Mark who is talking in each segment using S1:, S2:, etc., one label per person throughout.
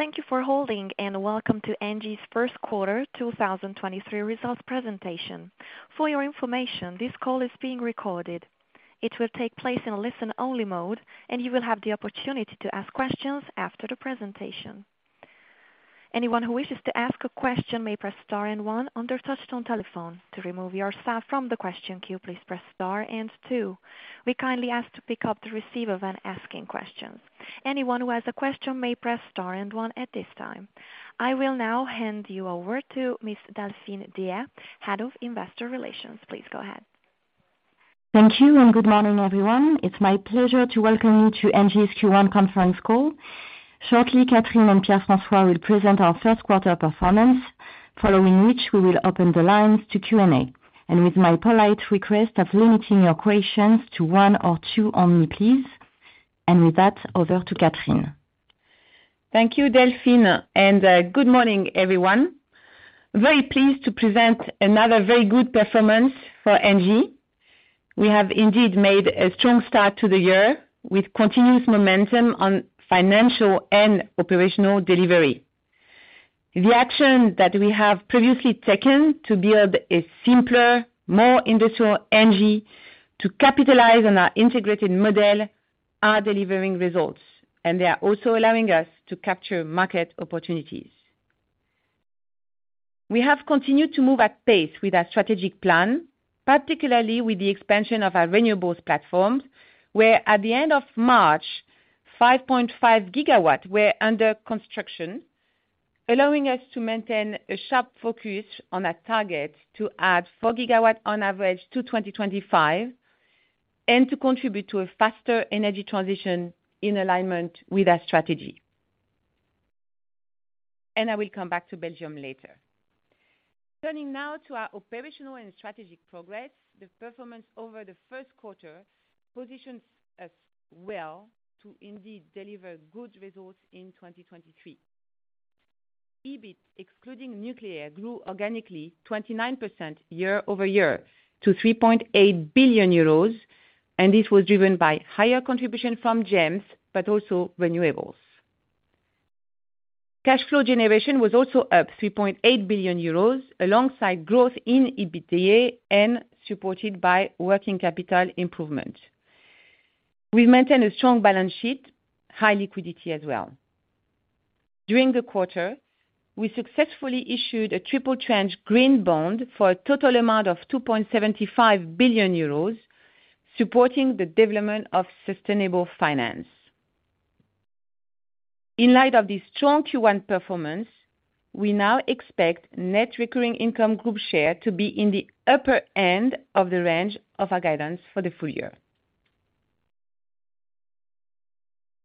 S1: Thank you for holding. Welcome to ENGIE's first quarter two thousand twenty-three results presentation. For your information, this call is being recorded. It will take place in a listen-only mode, and you will have the opportunity to ask questions after the presentation. Anyone who wishes to ask a question may press star one on their touchtone telephone. To remove yourself from the question queue, please press star two. We kindly ask to pick up the receiver when asking questions. Anyone who has a question may press star one at this time. I will now hand you over to Miss Delphine Deshayes, Head of Investor Relations. Please go ahead.
S2: Thank you. Good morning, everyone. It's my pleasure to welcome you to ENGIE's Q1 conference call. Shortly, Catherine and Pierre-François will present our first quarter performance, following which we will open the lines to Q&A. With my polite request of limiting your questions to one or two only, please. With that, over to Catherine.
S3: Thank you, Delphine, good morning, everyone. Very pleased to present another very good performance for ENGIE. We have indeed made a strong start to the year with continuous momentum on financial and operational delivery. The action that we have previously taken to build a simpler, more industrial ENGIE to capitalize on our integrated model are delivering results, and they are also allowing us to capture market opportunities. We have continued to move at pace with our strategic plan, particularly with the expansion of our renewables platforms, where at the end of March, 5.5 GW were under construction, allowing us to maintain a sharp focus on our target to add 4 GW on average to 2025, and to contribute to a faster energy transition in alignment with our strategy. I will come back to Belgium later. Turning now to our operational and strategic progress. The performance over the first quarter positions us well to indeed deliver good results in 2023. EBIT excluding nuclear grew organically 29% year-over-year to 3.8 billion euros. It was driven by higher contribution from GEMS but also renewables. Cash flow generation was also up 3.8 billion euros alongside growth in EBITDA and supported by working capital improvement. We've maintained a strong balance sheet, high liquidity as well. During the quarter, we successfully issued a triple tranche green bond for a total amount of 2.75 billion euros, supporting the development of sustainable finance. In light of this strong Q1 performance, we now expect Net recurring income Group share to be in the upper end of the range of our guidance for the full year.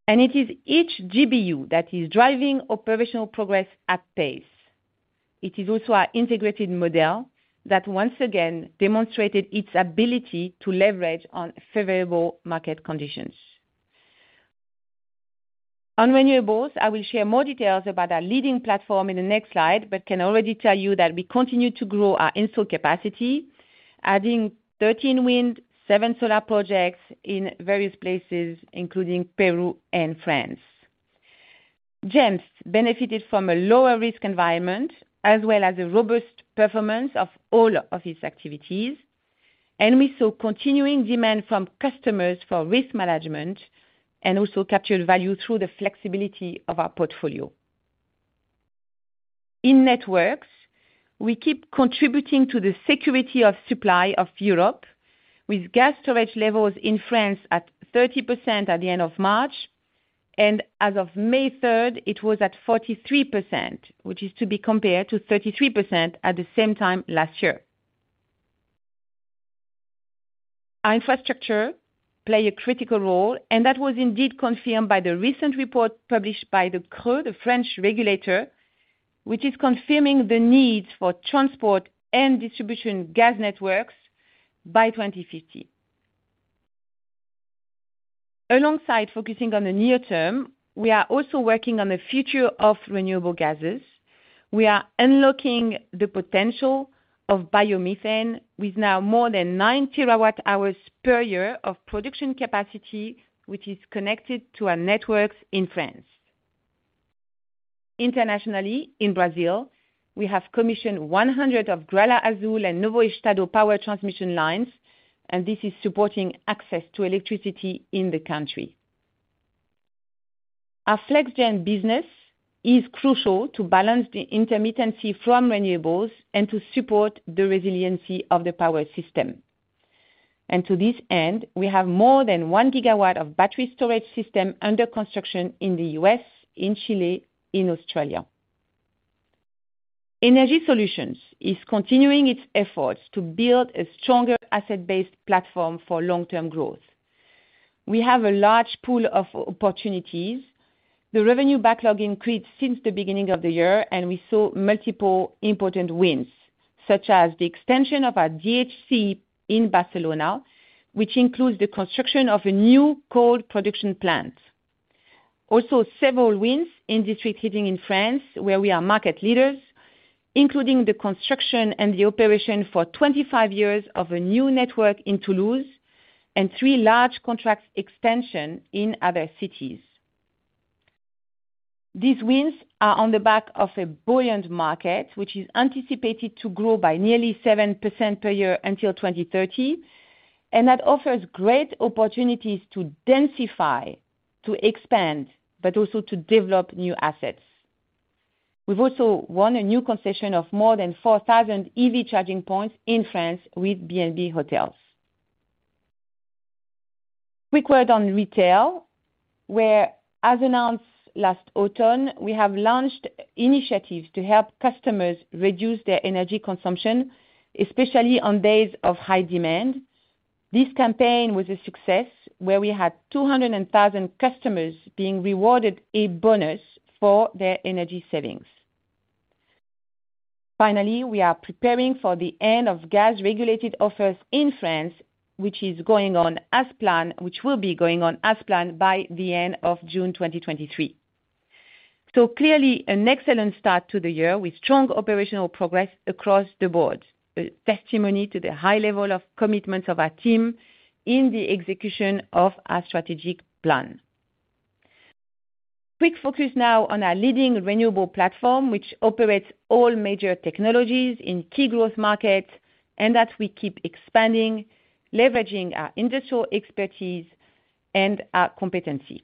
S3: It is each GBU that is driving operational progress at pace. It is also our integrated model that once again demonstrated its ability to leverage on favorable market conditions. On renewables, I will share more details about our leading platform in the next slide, but can already tell you that we continue to grow our install capacity, adding 13 wind, seven solar projects in various places, including Peru and France. GEMS benefited from a lower risk environment as well as a robust performance of all of its activities. We saw continuing demand from customers for risk management and also captured value through the flexibility of our portfolio. In networks, we keep contributing to the security of supply of Europe with gas storage levels in France at 30% at the end of March, and as of May third, it was at 43%, which is to be compared to 33% at the same time last year. Our infrastructure play a critical role, and that was indeed confirmed by the recent report published by the CRE, the French regulator, which is confirming the need for transport and distribution gas networks by 2050. Alongside focusing on the near term, we are also working on the future of renewable gases. We are unlocking the potential of biomethane with now more than nine terawatt-hours per year of production capacity, which is connected to our networks in France. Internationally, in Brazil, we have commissioned 100 of Gralha Azul and Novo Estado power transmission lines, and this is supporting access to electricity in the country. Our FlexGen business is crucial to balance the intermittency from renewables and to support the resiliency of the power system. To this end, we have more than 1 GW of battery storage system under construction in the U.S., in Chile, in Australia. Energy Solutions is continuing its efforts to build a stronger asset-based platform for long-term growth. We have a large pool of opportunities. The revenue backlog increased since the beginning of the year, and we saw multiple important wins, such as the extension of our DHC in Barcelona, which includes the construction of a new cold production plant. Also several wins in district heating in France, where we are market leaders, including the construction and the operation for 25 years of a new network in Toulouse and three large contracts extension in other cities. These wins are on the back of a buoyant market, which is anticipated to grow by nearly 7% per year until 2030, and that offers great opportunities to densify, to expand, but also to develop new assets. We've also won a new concession of more than 4,000 EV charging points in France with B&B HOTELS. Quick word on retail, where, as announced last autumn, we have launched initiatives to help customers reduce their energy consumption, especially on days of high demand. This campaign was a success, where we had 200,000 customers being rewarded a bonus for their energy savings. Finally, we are preparing for the end of gas-regulated offers in France, which is going on as planned, which will be going on as planned by the end of June 2023. Clearly an excellent start to the year with strong operational progress across the board. A testimony to the high level of commitment of our team in the execution of our strategic plan. Quick focus now on our leading renewable platform, which operates all major technologies in key growth markets, and that we keep expanding, leveraging our industrial expertise and our competency.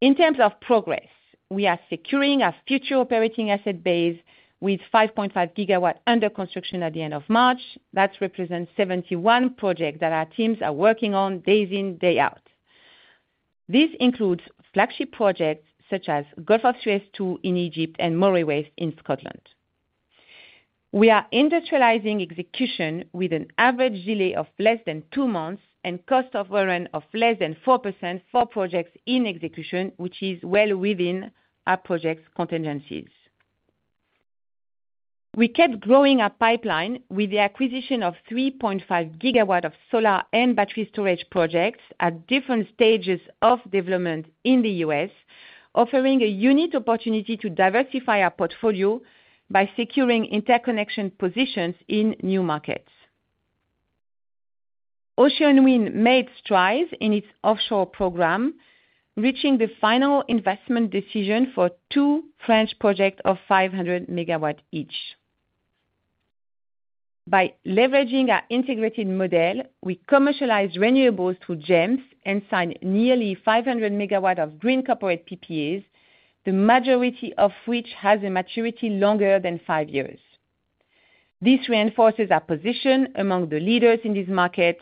S3: In terms of progress, we are securing our future operating asset base with 5.5 GW under construction at the end of March. That represents 71 projects that our teams are working on day in, day out. This includes flagship projects such as Gulf of Suez Two in Egypt and Moray West in Scotland. We are industrializing execution with an average delay of less than two months and cost overrun of less than 4% for projects in execution, which is well within our projects' contingencies. We kept growing our pipeline with the acquisition of 3.5 GW of solar and battery storage projects at different stages of development in the U.S., offering a unique opportunity to diversify our portfolio by securing interconnection positions in new markets. Ocean Winds made strides in its offshore program, reaching the final investment decision for 2 French projects of 500 MW each. By leveraging our integrated model, we commercialized renewables through GEMS and signed nearly 500 MW of green corporate PPAs, the majority of which has a maturity longer than 5 years. This reinforces our position among the leaders in this market,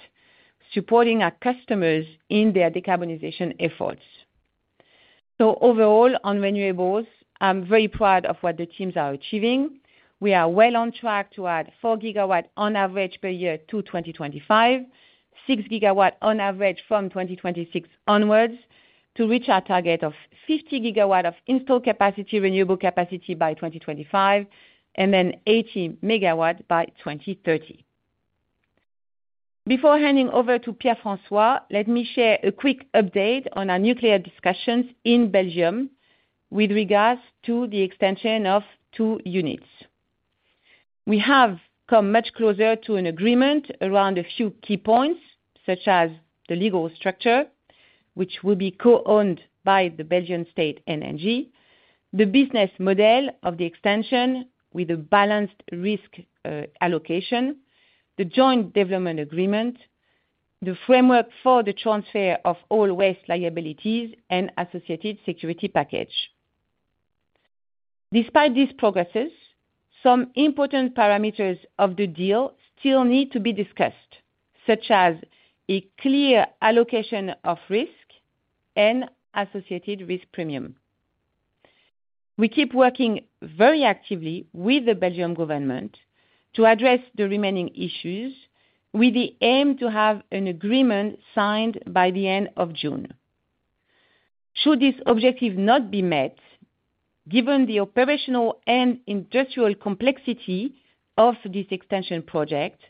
S3: supporting our customers in their decarbonization efforts. Overall, on renewables, I'm very proud of what the teams are achieving. We are well on track to add 4 GW on average per year to 2025, 6 GW on average from 2026 onwards, to reach our target of 50 GW of installed capacity, renewable capacity by 2025 and then 80 MW by 2030. Before handing over to Pierre-François, let me share a quick update on our nuclear discussions in Belgium with regards to the extension of 2 units. We have come much closer to an agreement around a few key points, such as the legal structure, which will be co-owned by the Belgian state and ENGIE, the business model of the extension with a balanced risk allocation, the joint development agreement, the framework for the transfer of all waste liabilities and associated security package. Despite these progresses, some important parameters of the deal still need to be discussed, such as a clear allocation of risk and associated risk premium. We keep working very actively with the Belgian government to address the remaining issues with the aim to have an agreement signed by the end of June. Should this objective not be met, given the operational and industrial complexity of this extension project,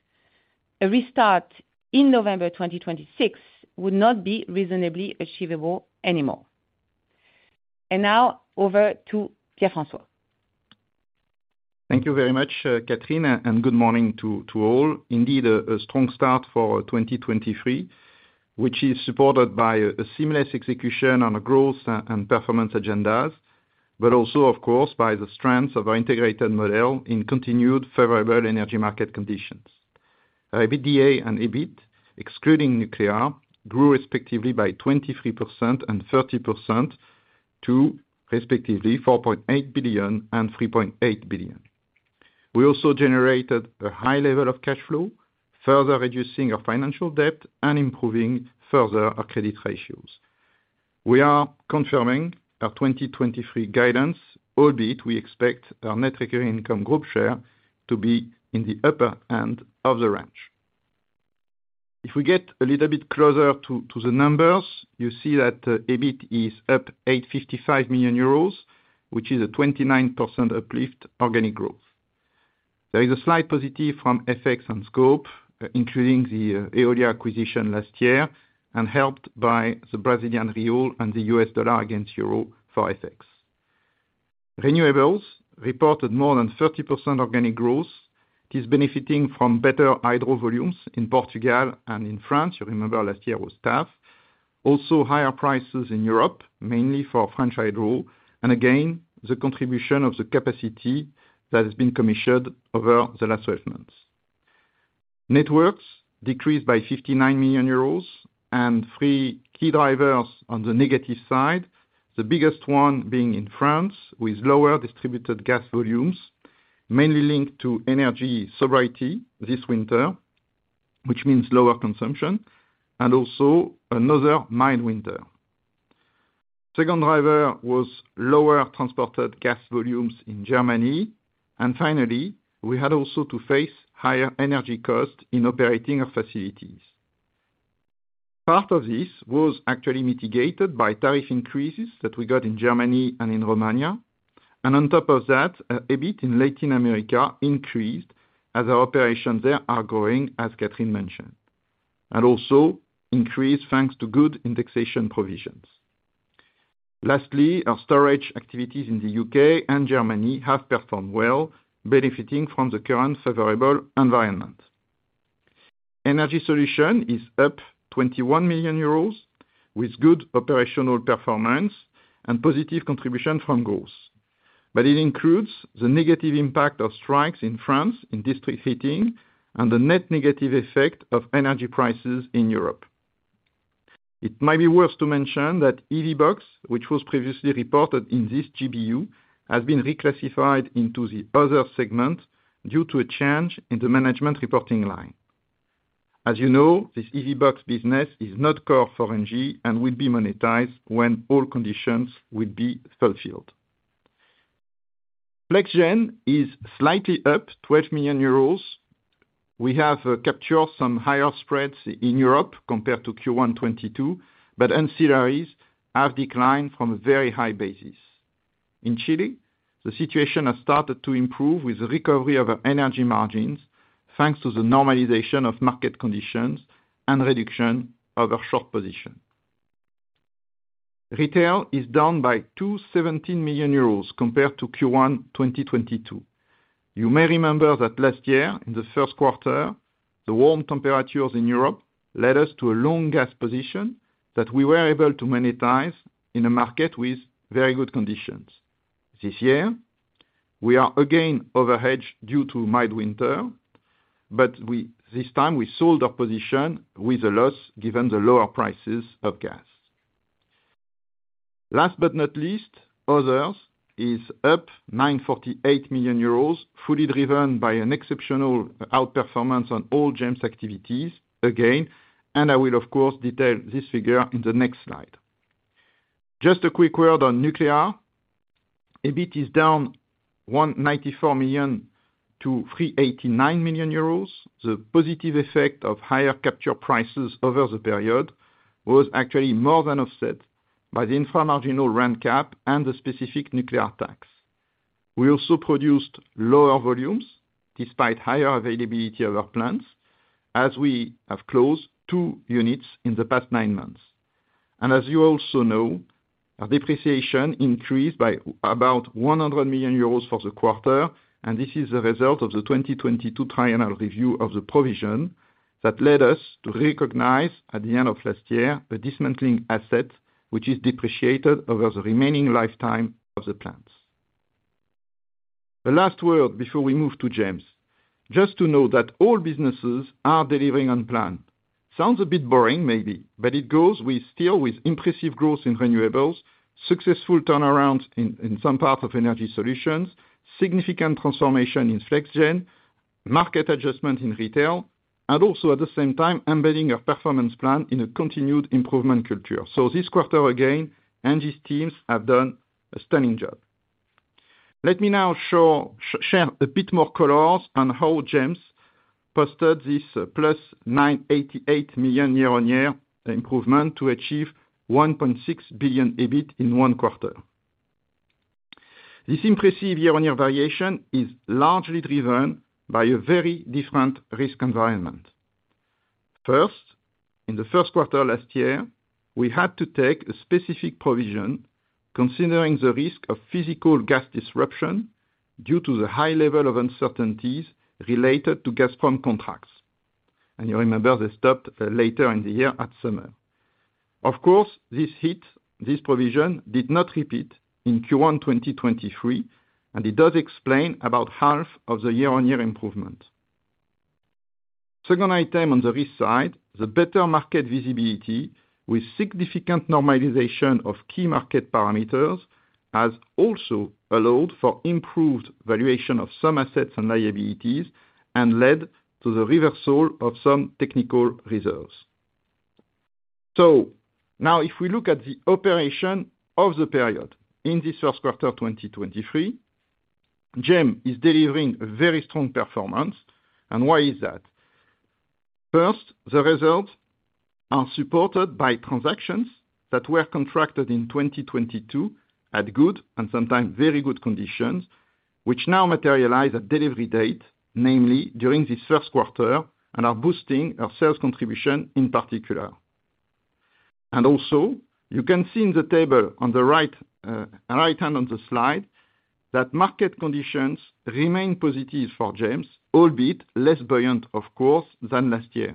S3: a restart in November 2026 would not be reasonably achievable anymore. Now over to Pierre-François.
S4: Thank you very much, Catherine, good morning to all. Indeed, a strong start for 2023, which is supported by a seamless execution on the growth and performance agendas. Also, of course, by the strength of our integrated model in continued favorable energy market conditions. EBITDA and EBIT, excluding nuclear, grew respectively by 23% and 30% to respectively 4.8 billion and 3.8 billion. We also generated a high level of cash flow, further reducing our financial debt and improving further our credit ratios. We are confirming our 2023 guidance, albeit we expect our Net recurring income Group share to be in the upper end of the range. If we get a little bit closer to the numbers, you see that EBIT is up eighty-fifty million EUR, which is a 29% uplift organic growth. There is a slight positive from FX and scope, including the Eolia acquisition last year, and helped by the Brazilian real and the US dollar against EUR for FX. Renewables reported more than 30% organic growth. It is benefiting from better hydro volumes in Portugal and in France. You remember last year was tough. Also, higher prices in Europe, mainly for French hydro, and again, the contribution of the capacity that has been commissioned over the last 12 months. Networks decreased by 59 million euros. Three key drivers on the negative side, the biggest one being in France, with lower distributed gas volumes, mainly linked to energy sobriety this winter, which means lower consumption, and also another mild winter. Second driver was lower transported gas volumes in Germany. Finally, we had also to face higher energy costs in operating our facilities. Part of this was actually mitigated by tariff increases that we got in Germany and in Romania. On top of that, EBIT in Latin America increased as our operations there are growing, as Catherine mentioned, and also increased thanks to good indexation provisions. Lastly, our storage activities in the U.K. and Germany have performed well, benefiting from the current favorable environment. Energy Solutions is up 21 million euros, with good operational performance and positive contribution from goals. It includes the negative impact of strikes in France in district heating and the net negative effect of energy prices in Europe. It might be worth to mention that EVBox, which was previously reported in this GBU, has been reclassified into the other segment due to a change in the management reporting line. As you know, this EVBox business is not core for ENGIE and will be monetized when all conditions will be fulfilled. FlexGen is slightly up 12 million euros. We have captured some higher spreads in Europe compared to Q1 2022, but ancillaries have declined from a very high basis. In Chile, the situation has started to improve with the recovery of our energy margins, thanks to the normalization of market conditions and reduction of our short position. Retail is down by 217 million euros compared to Q1 2022. You may remember that last year, in the first quarter, the warm temperatures in Europe led us to a long gas position that we were able to monetize in a market with very good conditions. This year, we are again overhedged due to mild winter. This time we sold our position with a loss given the lower prices of gas. Last but not least, others is up 948 million euros, fully driven by an exceptional outperformance on all GEMS activities again. I will of course detail this figure in the next slide. Just a quick word on nuclear. EBIT is down 194 million to 389 million euros. The positive effect of higher capture prices over the period was actually more than offset by the inframarginal rent cap and the specific nuclear tax. We also produced lower volumes despite higher availability of our plants, as we have closed two units in the past nine months. As you also know, our depreciation increased by about 100 million euros for the quarter. This is a result of the 2022 triennial review of the provision that led us to recognize at the end of last year a dismantling asset which is depreciated over the remaining lifetime of the plants. The last word before we move to GEMS. Just to know that all businesses are delivering on plan. Sounds a bit boring maybe, but it goes with still with impressive growth in renewables, successful turnarounds in some parts of Energy Solutions, significant transformation in FlexGen, market adjustment in retail and also at the same time embedding a performance plan in a continued improvement culture. This quarter again, ENGIE's teams have done a stunning job. Let me now share a bit more colors on how GEMS posted this plus 988 million year-on-year improvement to achieve 1.6 billion EBIT in one quarter. This impressive year-on-year variation is largely driven by a very different risk environment. First, in the first quarter last year, we had to take a specific provision considering the risk of physical gas disruption due to the high level of uncertainties related to gas form contracts. You remember they stopped later in the year at summer. Of course, this provision did not repeat in Q1 2023, it does explain about half of the year-on-year improvement. Second item on the risk side, the better market visibility with significant normalization of key market parameters has also allowed for improved valuation of some assets and liabilities and led to the reversal of some technical reserves. Now if we look at the operation of the period in this first quarter 2023, GEMS is delivering a very strong performance. Why is that? First, the results are supported by transactions that were contracted in 2022 at good and sometimes very good conditions, which now materialize at delivery date, namely during this first quarter, and are boosting our sales contribution in particular. Also, you can see in the table on the right hand on the slide, that market conditions remain positive for GEMS, albeit less buoyant of course than last year.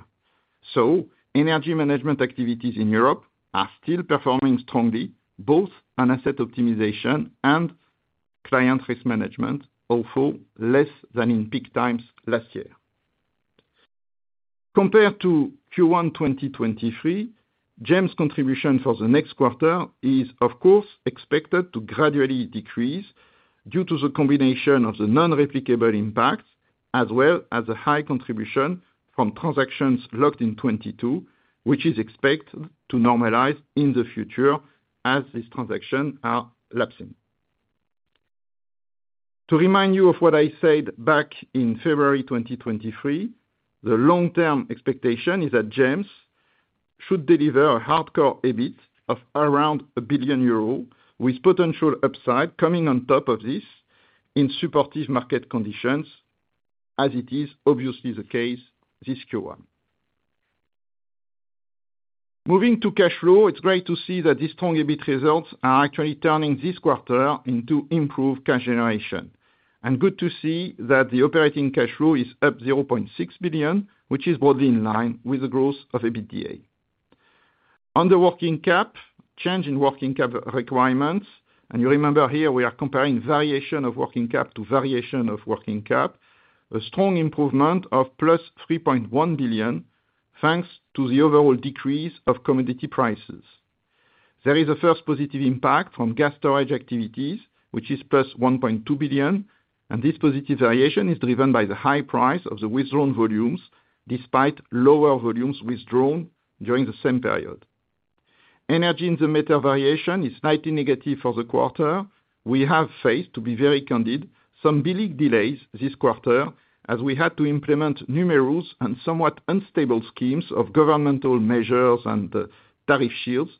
S4: Energy management activities in Europe are still performing strongly, both on asset optimization and client risk management, although less than in peak times last year. Compared to Q1 2023, GEMS' contribution for the next quarter is of course expected to gradually decrease due to the combination of the non-replicable impacts, as well as a high contribution from transactions locked in 2022, which is expected to normalize in the future as these transactions are lapsing. To remind you of what I said back in February 2023, the long-term expectation is that GEMS should deliver a hardcore EBIT of around 1 billion euros, with potential upside coming on top of this in supportive market conditions, as it is obviously the case this Q1. Moving to cash flow, it's great to see that the strong EBIT results are actually turning this quarter into improved cash generation. Good to see that the operating cash flow is up 0.6 billion, which is broadly in line with the growth of EBITDA. On the working cap, change in working cap requirements, you remember here we are comparing variation of working cap to variation of working cap, a strong improvement of +3.1 billion, thanks to the overall decrease of commodity prices. There is a first positive impact from gas storage activities, which is 1.2+ billion. This positive variation is driven by the high price of the withdrawn volumes, despite lower volumes withdrawn during the same period. Energy in the metal variation is slightly negative for the quarter. We have faced, to be very candid, some billing delays this quarter as we had to implement numerous and somewhat unstable schemes of governmental measures and tariff shields,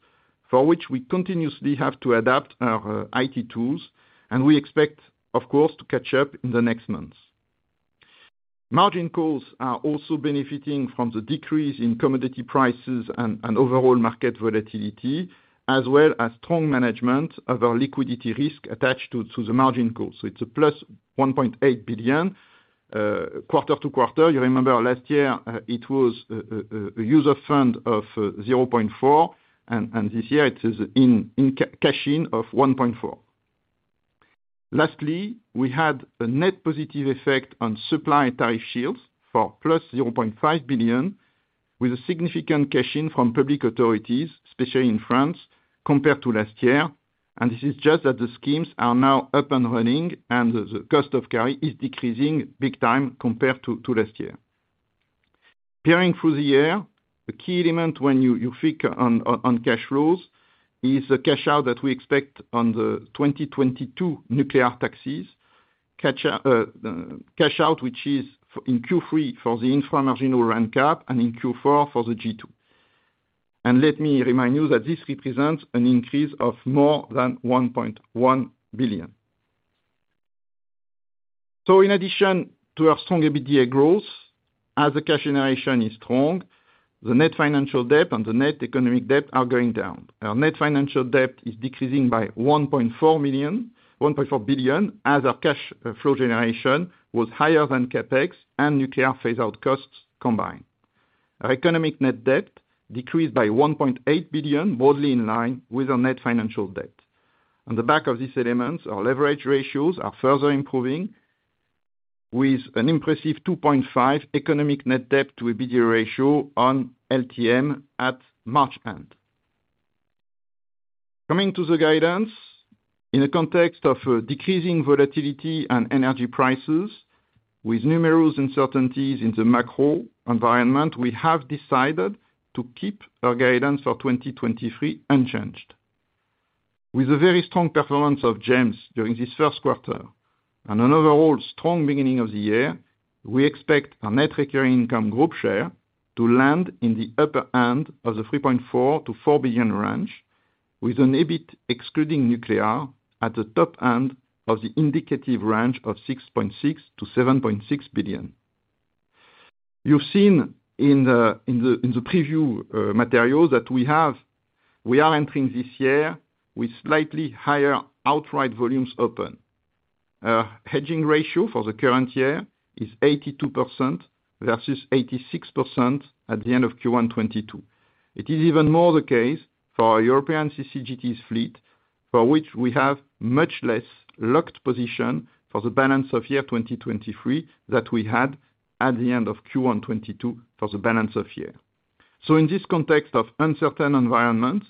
S4: for which we continuously have to adapt our IT tools, and we expect, of course, to catch up in the next months. Margin costs are also benefiting from the decrease in commodity prices and overall market volatility, as well as strong management of our liquidity risk attached to the margin cost. It's a 1.8+ billion quarter-over-quarter. You remember last year, it was a user fund of 0.4 and this year it is in cash-in of 1.4. Lastly, we had a net positive effect on supply tariff shields for + 0.5 billion, with a significant cash in from public authorities, especially in France, compared to last year. This is just that the schemes are now up and running, and the cost of carry is decreasing big time compared to last year. Peering through the year, the key element when you think on cash flows is the cash out that we expect on the 2022 nuclear taxes. Cash out, which is in Q3 for the inframarginal rent cap and in Q4 for the G2. Let me remind you that this represents an increase of more than 1.1 billion. In addition to our strong EBITDA growth, as the cash generation is strong, the net financial debt and the net economic debt are going down. Our net financial debt is decreasing by 1.4 billion as our cash flow generation was higher than CapEx and nuclear phase out costs combined. Our economic net debt decreased by 1.8 billion, broadly in line with our net financial debt. On the back of these elements, our leverage ratios are further improving with an impressive 2.5 economic net debt to EBITDA ratio on LTM at March end. Coming to the guidance, in the context of decreasing volatility and energy prices with numerous uncertainties in the macro environment, we have decided to keep our guidance for 2023 unchanged. With the very strong performance of GEMS during this first quarter and an overall strong beginning of the year, we expect our Net recurring income Group share to land in the upper end of the 3.4 billion-4 billion range, with an EBIT excluding nuclear at the top end of the indicative range of 6.6 billion-7.6 billion. You've seen in the preview materials that we have, we are entering this year with slightly higher outright volumes open. Our hedging ratio for the current year is 82% versus 86% at the end of Q1 2022. It is even more the case for our European CCGTs fleet, for which we have much less locked position for the balance of year 2023 that we had at the end of Q1 2022 for the balance of year. In this context of uncertain environments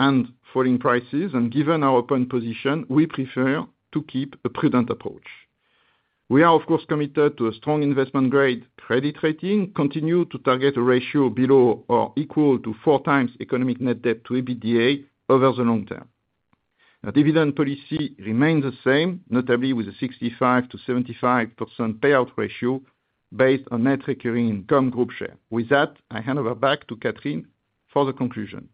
S4: and falling prices, and given our open position, we prefer to keep a prudent approach. We are of course committed to a strong investment-grade credit rating, continue to target a ratio below or equal to 4x economic net debt to EBITDA over the long term. Our dividend policy remains the same, notably with a 65%-75% payout ratio based on net recurring income Group share. With that, I hand over back to Catherine for the conclusion.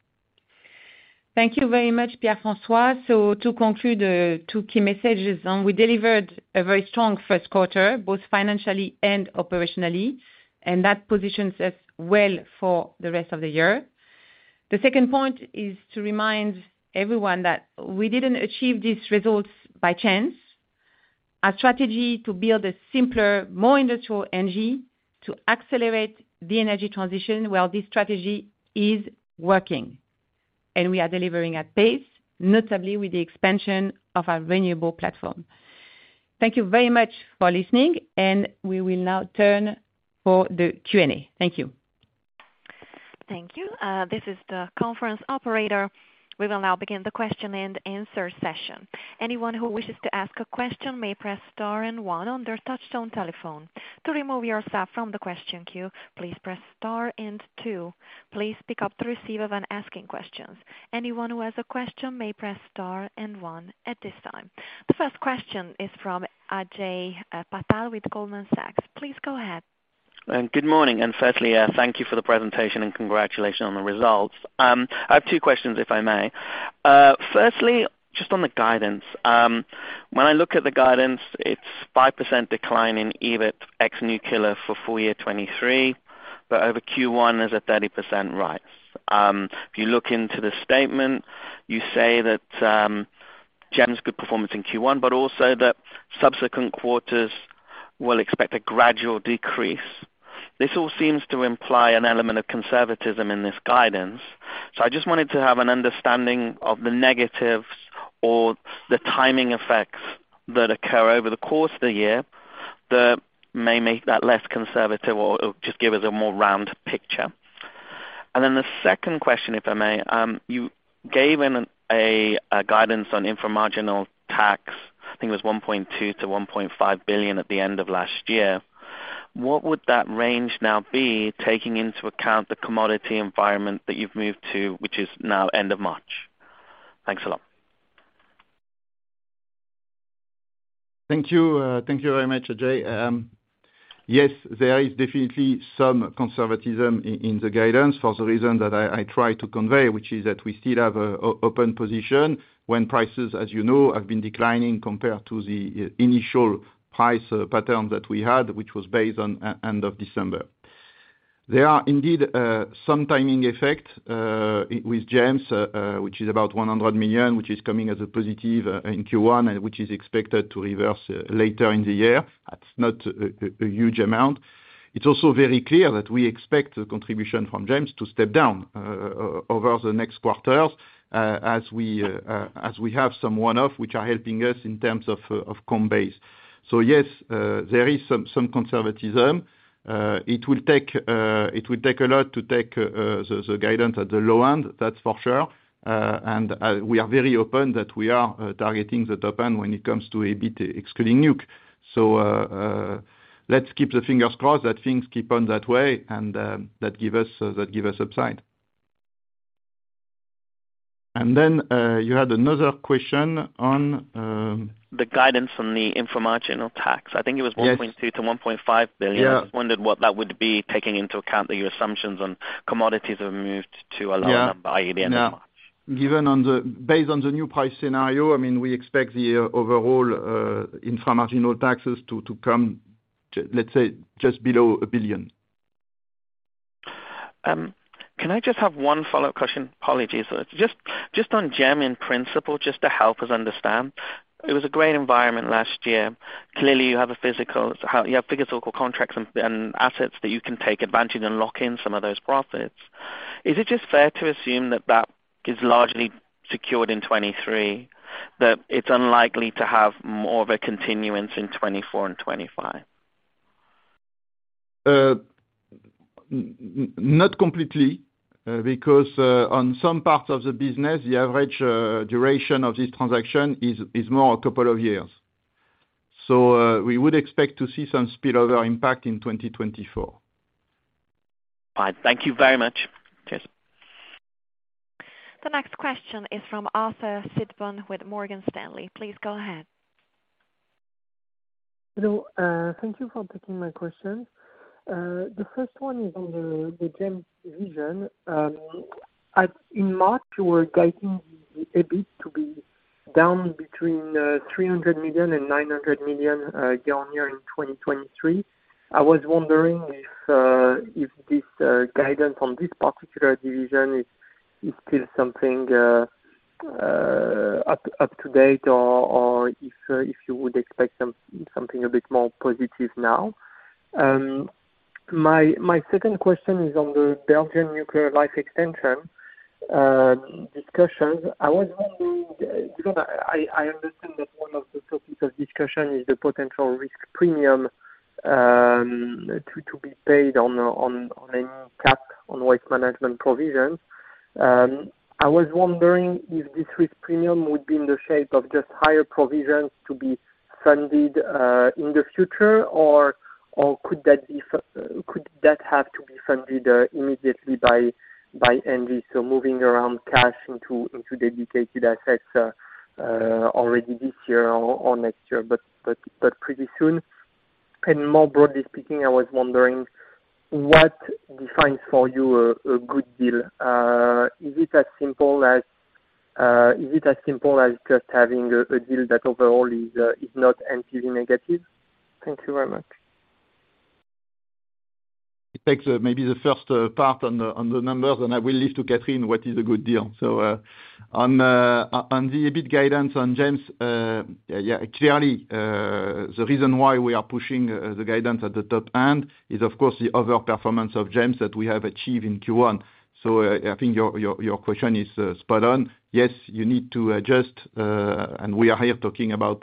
S3: Thank you very much, Pierre-François Riolacci. To conclude, two key messages. We delivered a very strong first quarter, both financially and operationally, and that positions us well for the rest of the year. The second point is to remind everyone that we didn't achieve these results by chance. Our strategy to build a simpler, more industrial energy to accelerate the energy transition, well, this strategy is working. We are delivering at pace, notably with the expansion of our renewable platform. Thank you very much for listening, and we will now turn for the Q&A. Thank you.
S1: Thank you. This is the conference operator. We will now begin the question and answer session. Anyone who wishes to ask a question may press star and one on their touchtone telephone. To remove yourself from the question queue, please press star and two. Please pick up to receive when asking questions. Anyone who has a question may press star and one at this time. The first question is from Ajay Patel with Goldman Sachs. Please go ahead.
S5: Good morning, and firstly, thank you for the presentation, and congratulations on the results. I have two questions, if I may. Firstly, just on the guidance. When I look at the guidance, it's 5% decline in EBIT X nuclear for full year 2023, but over Q1 is a 30% rise. If you look into the statement, you say that GEMS good performance in Q1, but also that subsequent quarters will expect a gradual decrease. This all seems to imply an element of conservatism in this guidance. I just wanted to have an understanding of the negatives or the timing effects that occur over the course of the year that may make that less conservative or just give us a more round picture. The second question, if I may, you gave a guidance on inframarginal tax. I think it was 1.2 billion-1.5 billion at the end of last year. What would that range now be taking into account the commodity environment that you've moved to, which is now end of March? Thanks a lot.
S4: Thank you. Thank you very much, Ajay. Yes, there is definitely some conservatism in the guidance for the reason that I tried to convey, which is that we still have a open position when prices, as you know, have been declining compared to the initial price pattern that we had, which was based on end of December. There are indeed some timing effect with GEMS, which is about 100 million, which is coming as a positive in Q1, which is expected to reverse later in the year. That's not a huge amount. It's also very clear that we expect the contribution from GEMS to step down over the next quarters, as we have some one-off which are helping us in terms of comb base. Yes, there is some conservatism. It will take a lot to take the guidance at the low end, that's for sure. We are very open that we are targeting the top end when it comes to EBIT excluding nuc. Let's keep the fingers crossed that things keep on that way and that give us upside. You had another question on.
S5: The guidance on the inframarginal tax.
S4: Yes.
S5: I think it was 1.2 billion-1.5 billion.
S4: Yeah.
S5: I wondered what that would be taking into account that your assumptions on commodities have moved to a lower number.
S4: Yeah
S5: by the end of March.
S4: Given on the, based on the new price scenario, I mean, we expect the overall inframarginal taxes to come let's say, just below 1 billion.
S5: Can I just have one follow-up question? Apologies. Just on GEM in principle, just to help us understand, it was a great environment last year. Clearly, you have physical contracts and assets that you can take advantage and lock in some of those profits. Is it just fair to assume that that is largely secured in 2023, that it's unlikely to have more of a continuance in 2024 and 2025?
S4: Not completely, because on some parts of the business, the average duration of this transaction is more a couple of years. So, we would expect to see some spillover impact in 2024.
S5: All right. Thank you very much. Cheers.
S1: The next question is from Arthur Sitbon with Morgan Stanley. Please go ahead.
S6: Hello. Thank you for taking my question. The first one is on the GEMS division. At, in March, you were guiding the EBIT to be down between 300 million and 900 million, down here in 2023. I was wondering if this guidance from this particular division is still something up to date or if you would expect something a bit more positive now. My second question is on the Belgian nuclear life extension discussions. I was wondering because I understand that one of the topics of discussion is the potential risk premium to be paid on a cap on waste management provisions. I was wondering if this risk premium would be in the shape of just higher provisions to be funded in the future or could that have to be funded immediately by ENGIE, so moving around cash into dedicated assets already this year or next year, but pretty soon? More broadly speaking, I was wondering what defines for you a good deal? Is it as simple as just having a deal that overall is not NPV negative? Thank you very much.
S4: It takes maybe the first part on the numbers, and I will leave to Catherine what is a good deal. On the EBIT guidance on James Brand, yeah, clearly, the reason why we are pushing the guidance at the top end is of course the other performance of GEMS that we have achieved in Q1. I think your question is spot on. Yes, you need to adjust, and we are here talking about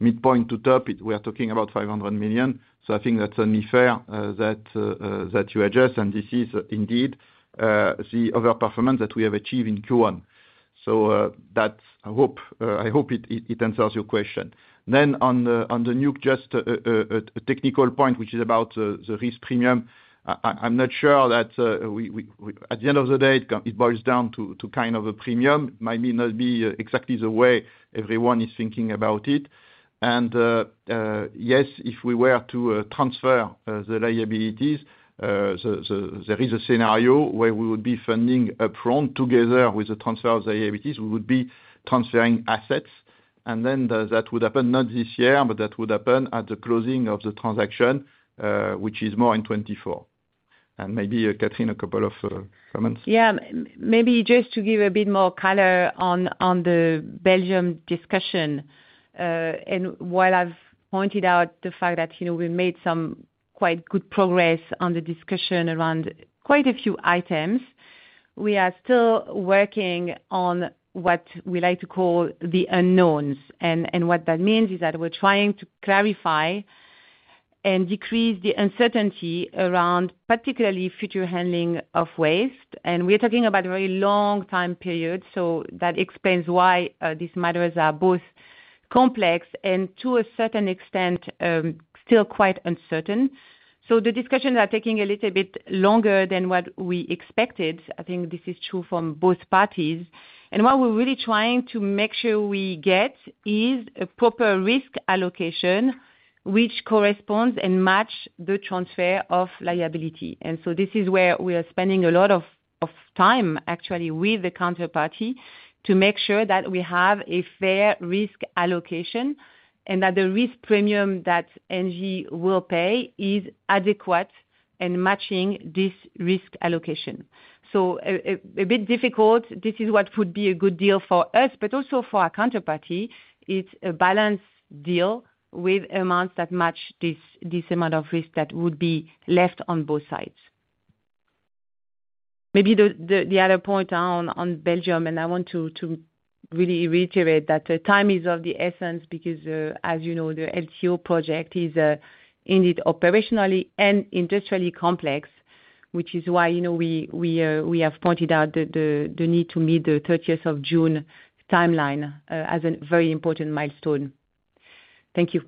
S4: midpoint to top it. We are talking about 500 million. I think that's only fair that you adjust and this is indeed the other performance that we have achieved in Q1. That's I hope it answers your question. On the nuc, just a technical point, which is about the risk premium. I'm not sure that, at the end of the day, it boils down to kind of a premium, might not be exactly the way everyone is thinking about it. Yes, if we were to transfer the liabilities, there is a scenario where we would be funding upfront together with the transfer of liabilities, we would be transferring assets. That would happen not this year, but that would happen at the closing of the transaction, which is more in 2024. Maybe Catherine, a couple of comments.
S3: Yeah. Maybe just to give a bit more color on the Belgium discussion. While I've pointed out the fact that, you know, we made some quite good progress on the discussion around quite a few items, we are still working on what we like to call the unknowns. What that means is that we're trying to clarify and decrease the uncertainty around particularly future handling of waste. We're talking about a very long time period, so that explains why these matters are both complex and to a certain extent still quite uncertain. The discussions are taking a little bit longer than what we expected. I think this is true from both parties. What we're really trying to make sure we get is a proper risk allocation which corresponds and match the transfer of liability. This is where we are spending a lot of time, actually, with the counterparty to make sure that we have a fair risk allocation and that the risk premium that ENGIE will pay is adequate in matching this risk allocation. A bit difficult. This is what would be a good deal for us, but also for our counterparty. It's a balanced deal with amounts that match this amount of risk that would be left on both sides. Maybe the other point on Belgium, I want to really reiterate that time is of the essence because as you know, the Salamandre project is indeed operationally and industrially complex, which is why, you know, we have pointed out the need to meet the 30th of June timeline as a very important milestone. Thank you.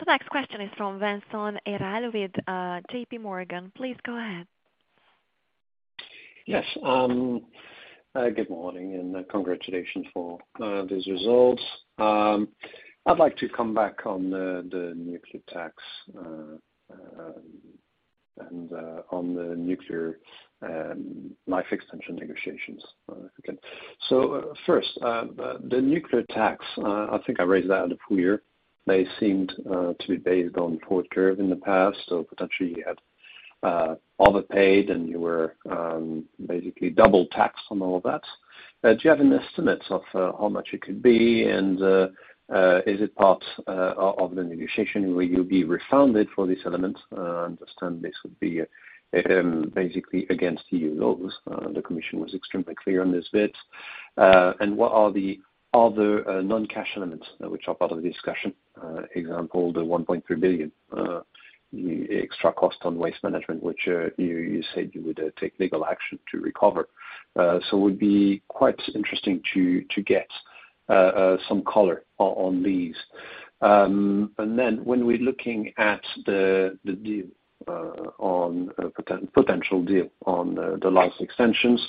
S1: The next question is from Vincent Ayral with JPMorgan. Please go ahead.
S7: Yes. Good morning and congratulations for these results. I'd like to come back on the nuclear tax and on the nuclear life extension negotiations again. First, the nuclear tax, I think I raised that a full year. They seemed to be based on forward curve in the past, so potentially you had overpaid and you were basically double taxed on all that. Do you have an estimate of how much it could be? Is it part of the negotiation? Will you be refunded for this element? I understand this would be basically against EU laws. The Commission was extremely clear on this bit. What are the other non-cash elements which are part of the discussion? Example, the 1.3 billion, the extra cost on waste management, which you said you would take legal action to recover. It would be quite interesting to get some color on these. When we're looking at the deal on potential deal on the license extensions,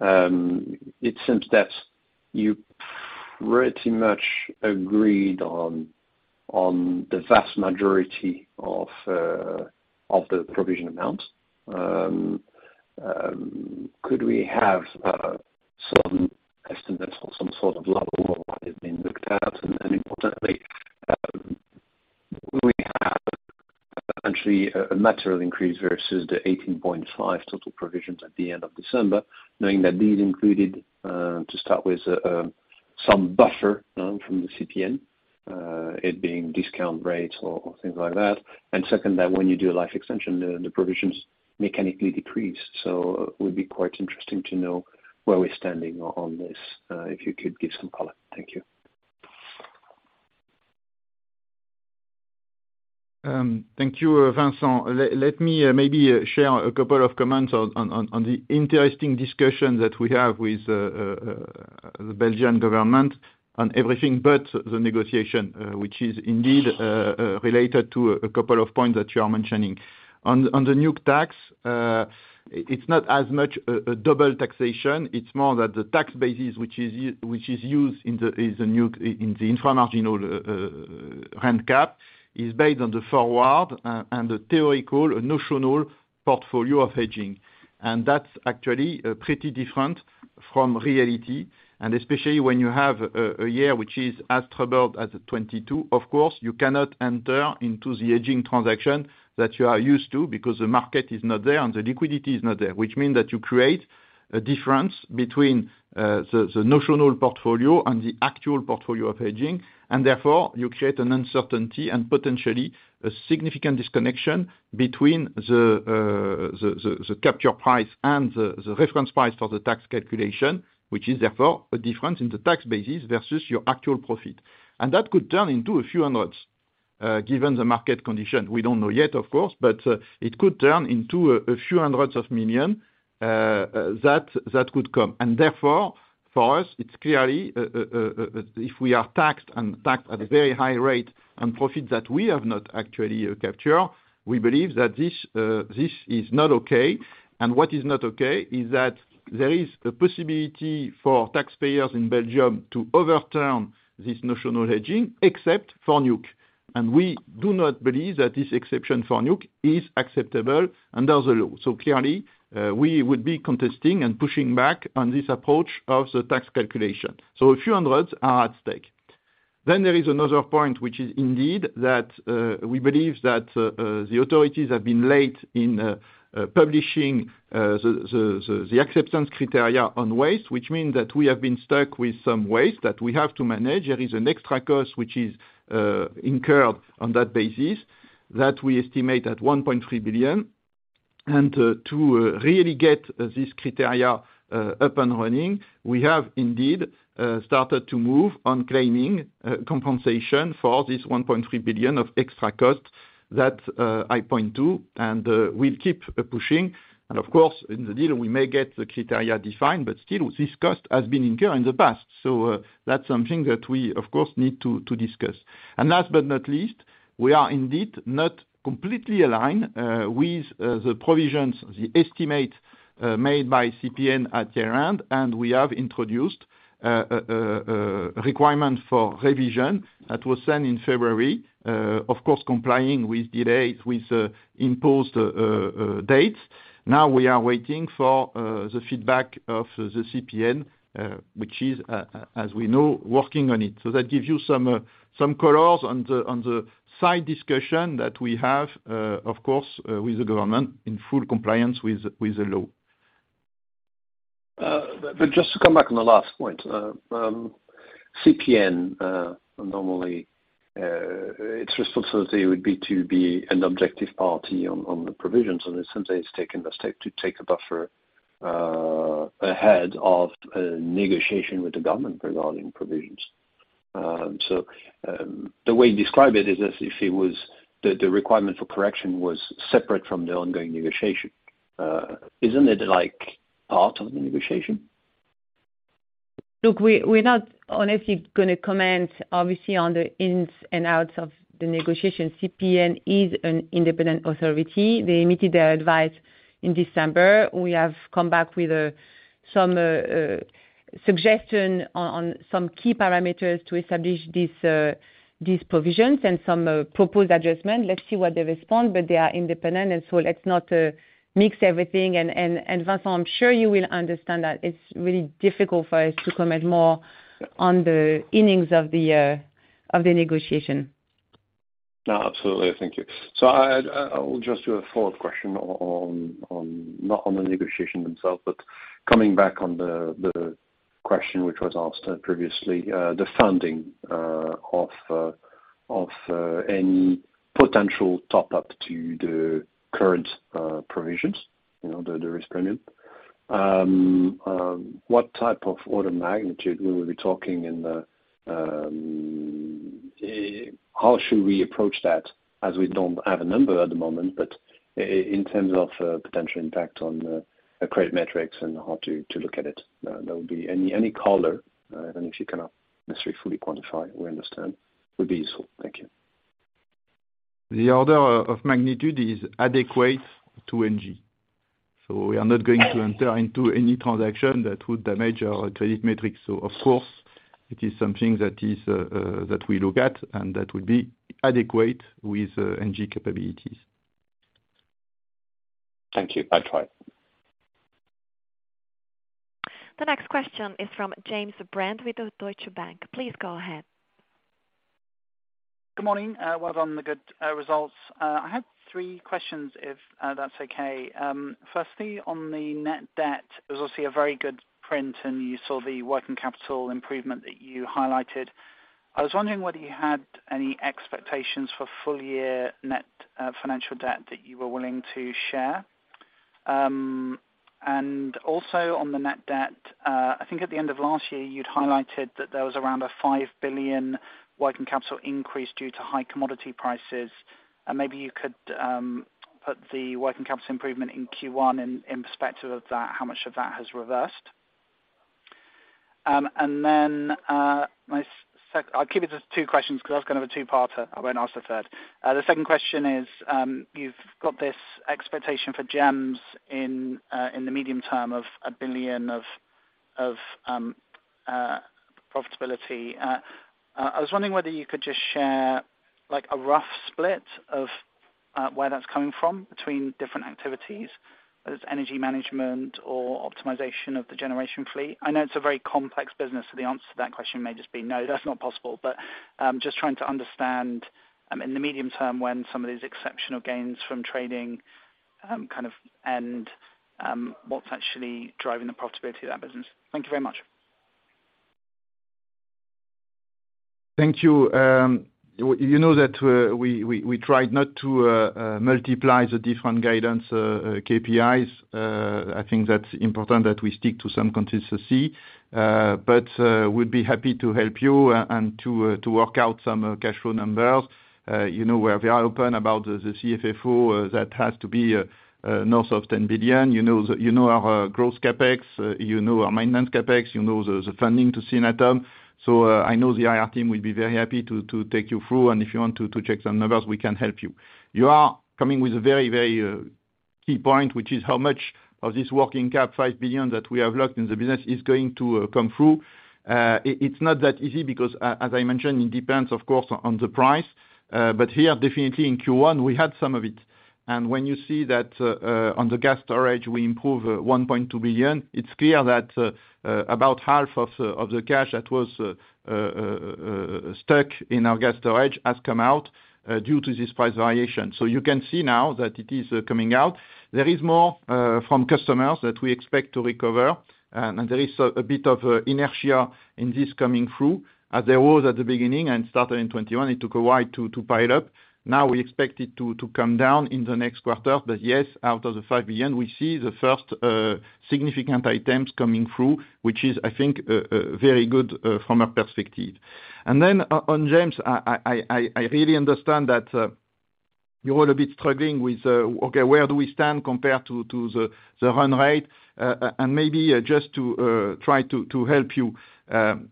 S7: it seems that you pretty much agreed on the vast majority of the provision amounts. Could we have some estimates or some sort of level of what is being looked at? Importantly, will we have actually a material increase versus the 18.5 total provisions at the end of December, knowing that these included to start with some buffer from the CPN, it being discount rates or things like that? Second, that when you do a life extension, the provisions mechanically decrease. It would be quite interesting to know where we're standing on this, if you could give some color. Thank you.
S4: Thank you, Vincent. Let me maybe share a couple of comments on the interesting discussion that we have with the Belgian government on everything but the negotiation, which is indeed related to a couple of points that you are mentioning. On the nuc tax, it's not as much a double taxation, it's more that the tax basis which is used in the inframarginal rent cap is based on the forward and the theoretical notional portfolio of hedging. That's actually pretty different from reality. Especially when you have a year which is as troubled as 2022, of course, you cannot enter into the hedging transaction that you are used to because the market is not there and the liquidity is not there, which mean that you create a difference between the notional portfolio and the actual portfolio of hedging. Therefore, you create an uncertainty and potentially a significant disconnection between the capture price and the reference price for the tax calculation, which is therefore a difference in the tax basis versus your actual profit. That could turn into EUR a few hundreds given the market condition. We don't know yet, of course, but it could turn into EUR a few hundreds of million that could come. For us, it's clearly, if we are taxed and taxed at a very high rate on profit that we have not actually captured, we believe that this is not okay. What is not okay is that there is a possibility for taxpayers in Belgium to overturn this notional hedging, except for nuc. We do not believe that this exception for nuc is acceptable under the law. Clearly, we would be contesting and pushing back on this approach of the tax calculation. A few hundreds are at stake. There is another point, which is indeed that we believe that the authorities have been late in publishing the acceptance criteria on waste, which means that we have been stuck with some waste that we have to manage. There is an extra cost which is incurred on that basis that we estimate at 1.3 billion. To really get this criteria up and running, we have indeed started to move on claiming compensation for this 1.3 billion of extra cost that I point to, and we'll keep pushing. Of course, in the deal, we may get the criteria defined, but still this cost has been incurred in the past. That's something that we of course need to discuss. Last but not least, we are indeed not completely aligned with the provisions, the estimate made by CPN at year-end, and we have introduced a requirement for revision that was sent in February, of course, complying with delays, with imposed dates. Now we are waiting for the feedback of the CPN, which is, as we know, working on it. That gives you some colors on the side discussion that we have, of course, with the government in full compliance with the law.
S7: Just to come back on the last point. CPN normally its responsibility would be to be an objective party on the provisions. It seems they've taken the step to take a buffer ahead of a negotiation with the government regarding provisions. The way you describe it is as if it was the requirement for correction was separate from the ongoing negotiation. Isn't it like part of the negotiation?
S3: Look, we're not honestly gonna comment obviously on the ins and outs of the negotiation. CPN is an independent authority. They emitted their advice in December. We have come back with some suggestion on some key parameters to establish these provisions and some proposed adjustment. Let's see what they respond, but they are independent and so let's not mix everything. Vincent, I'm sure you will understand that it's really difficult for us to comment more on the innings of the negotiation.
S7: No, absolutely. Thank you. I will just do a follow-up question on, not on the negotiation themselves, but coming back on the question which was asked previously, the funding of any potential top-up to the current provisions, you know, the risk premium. What type of order of magnitude we will be talking, how should we approach that as we don't have a number at the moment, but in terms of potential impact on the credit metrics and how to look at it? That would be... Any color, and if you cannot necessarily fully quantify, we understand, would be useful. Thank you.
S4: The order of magnitude is adequate to ENGIE. We are not going to enter into any transaction that would damage our credit metrics. Of course, it is something that is that we look at and that would be adequate with ENGIE capabilities.
S7: Thank you. Bye-bye.
S1: The next question is from James Brand with Deutsche Bank. Please go ahead.
S8: Good morning. Well done on the good results. I had three questions if that's okay. Firstly, on the net debt, it was obviously a very good print, and you saw the working capital improvement that you highlighted. I was wondering whether you had any expectations for full year net financial debt that you were willing to share. Also on the net debt, I think at the end of last year, you'd highlighted that there was around a 5 billion working capital increase due to high commodity prices. Maybe you could put the working capital improvement in Q1 in perspective of that, how much of that has reversed? Then, I'll keep it to two questions 'cause that's kind of a two-parter. I won't ask the 3rd. The second question is, you've got this expectation for GEMS in the medium term of 1 billion of profitability. I was wondering whether you could just share like a rough split of where that's coming from between different activities, whether it's energy management or optimization of the generation fleet. I know it's a very complex business, the answer to that question may just be, "No, that's not possible." Just trying to understand, in the medium term when some of these exceptional gains from trading, kind of end, what's actually driving the profitability of that business. Thank you very much.
S4: Thank you. You know that we tried not to multiply the different guidance KPIs. I think that's important that we stick to some consistency. But we'd be happy to help you and to work out some cash flow numbers. You know, where we are open about the CFFO that has to be north of 10 billion. You know, you know our growth CapEx, you know our maintenance CapEx, you know the funding to Synatom. I know the IR team will be very happy to take you through, and if you want to check some numbers, we can help you. You are coming with a very, very key point, which is how much of this working cap, 5 billion, that we have locked in the business is going to come through. It's not that easy because as I mentioned, it depends of course on the price. But here, definitely in Q1, we had some of it. When you see that on the gas storage we improve, 1.2 billion, it's clear that about half of the cash that was stuck in our gas storage has come out due to this price variation. You can see now that it is coming out. There is more from customers that we expect to recover. There is a bit of inertia in this coming through as there was at the beginning and started in 2021. It took a while to pile up. Now we expect it to come down in the next quarter. Yes, out of the 5 billion, we see the first significant items coming through, which is, I think, very good from a perspective. Then on GEMS, I really understand that you're all a bit struggling with, okay, where do we stand compared to the run rate. Maybe just to try to help you,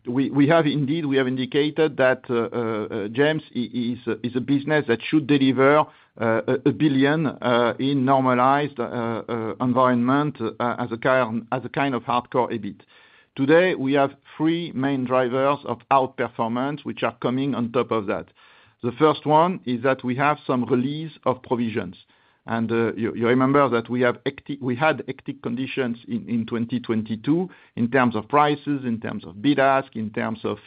S4: we have indeed, we have indicated that GEMS is a business that should deliver 1 billion in normalized environment as a kind of hardcore EBIT. Today, we have three main drivers of outperformance which are coming on top of that. The first one is that we have some release of provisions. You remember that we had hectic conditions in 2022 in terms of prices, in terms of bid ask, in terms of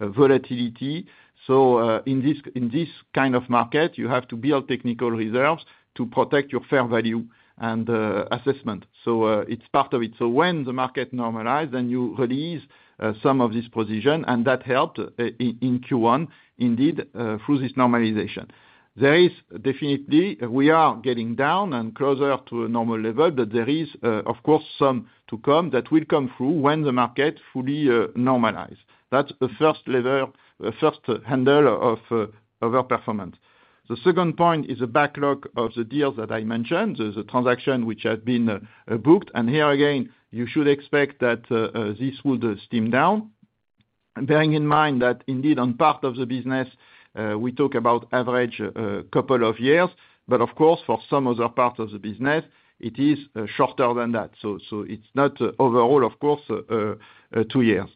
S4: volatility. In this kind of market, you have to build technical reserves to protect your fair value and assessment. It's part of it. When the market normalize and you release some of this position and that helped in Q1, indeed, through this normalization. There is definitely we are getting down and closer to a normal level, but there is of course some to come that will come through when the market fully normalize. That's the first level, the first handle of outperformance. The second point is a backlog of the deals that I mentioned. There's a transaction which had been booked. Here again, you should expect that this would stem down. Bearing in mind that indeed on part of the business, we talk about average two years, but of course for some other part of the business, it is shorter than that. It's not overall, of course, two years.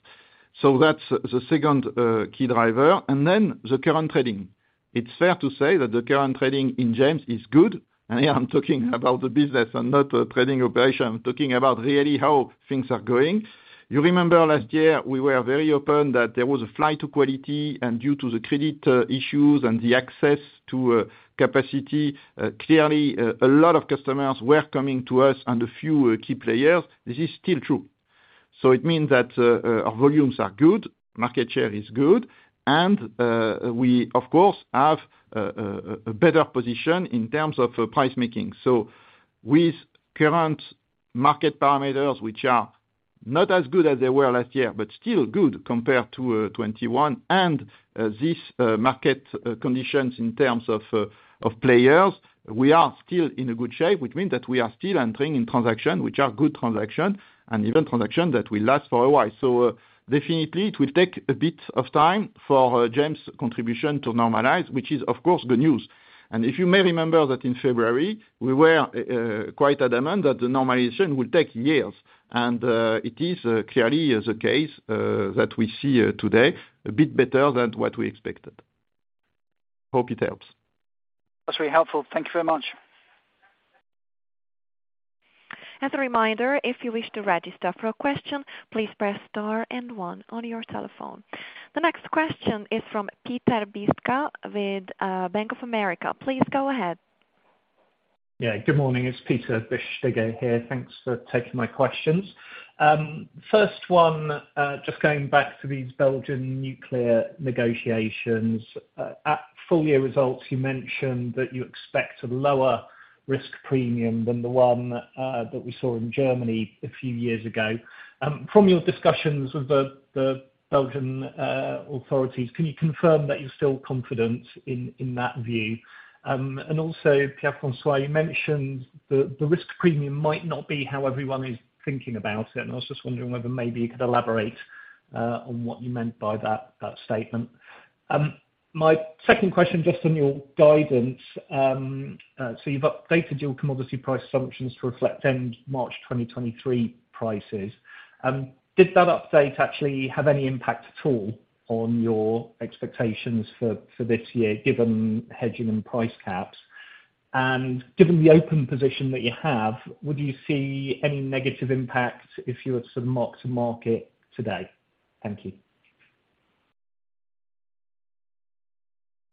S4: That's the second key driver. The current trading. It's fair to say that the current trading in GEMS is good. Here I'm talking about the business and not the trading operation. I'm talking about really how things are going. You remember last year we were very open that there was a flight to quality and due to the credit issues and the access to capacity, clearly, a lot of customers were coming to us and a few key players. This is still true. It means that our volumes are good, market share is good, and we of course have a better position in terms of price making. With current market parameters which are not as good as they were last year, but still good compared to 2021 and this market conditions in terms of players, we are still in a good shape, which means that we are still entering in transaction, which are good transaction and even transaction that will last for a while. Definitely it will take a bit of time for GEMS contribution to normalize, which is of course good news. If you may remember that in February, we were quite adamant that the normalization will take years and it is clearly the case that we see today a bit better than what we expected. Hope it helps.
S8: That's very helpful. Thank you very much.
S1: As a reminder, if you wish to register for a question, please press star and one on your telephone. The next question is from Peter Bisztyga with Bank of America. Please go ahead.
S9: Good morning. It's Peter Bisztyga here. Thanks for taking my questions. First one, just going back to these Belgian nuclear negotiations. At full year results, you mentioned that you expect a lower risk premium than the one that we saw in Germany a few years ago. From your discussions with the Belgian authorities, can you confirm that you're still confident in that view? Also, Pierre-François, you mentioned the risk premium might not be how everyone is thinking about it, and I was just wondering whether maybe you could elaborate on what you meant by that statement. My second question, just on your guidance. You've updated your commodity price assumptions to reflect end March 2023 prices. Did that update actually have any impact at all on your expectations for this year, given hedging and price caps? Given the open position that you have, would you see any negative impact if you were to mark to market today? Thank you.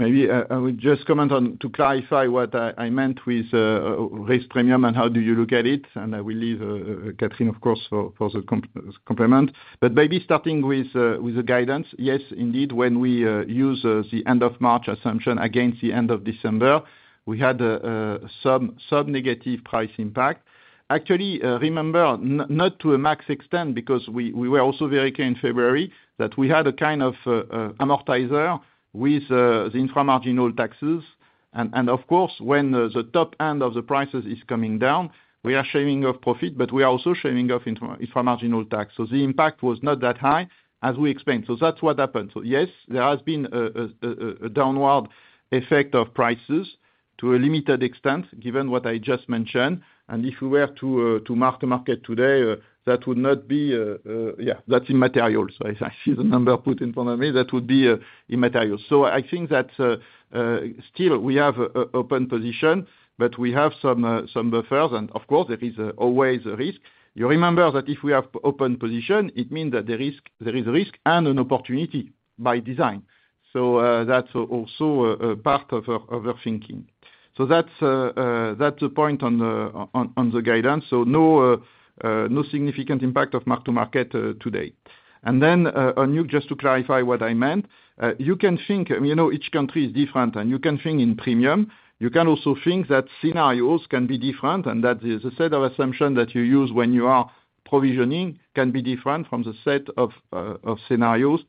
S4: Maybe, I would just comment on to clarify what I meant with risk premium and how do you look at it, and I will leave Catherine, of course, for the complement. Maybe starting with the guidance. Yes, indeed, when we use the end of March assumption against the end of December, we had some negative price impact. Actually, remember not to a max extent because we were also very clear in February that we had a kind of amortizer with the inframarginal taxes. Of course, when the top end of the prices is coming down, we are shaving off profit, but we are also shaving off inframarginal tax. The impact was not that high as we explained. That's what happened. Yes, there has been a downward effect of prices to a limited extent, given what I just mentioned. If we were to mark the market today, that would not be, yeah, that's immaterial. As I see the number put in front of me, that would be immaterial. I think that still we have open position, but we have some buffers. Of course there is always a risk. You remember that if we have open position, it means that the risk and an opportunity by design. That's also a part of our thinking. That's the point on the guidance. No significant impact of mark to market today. On you, just to clarify what I meant, you can think, you know, each country is different, and you can think in premium. You can also think that scenarios can be different, and that is a set of assumption that you use when you are provisioning can be different from the set of scenarios